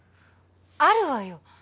あるわよ